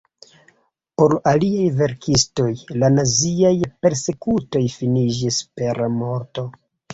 Por aliaj verkistoj la naziaj persekutoj finiĝis per morto.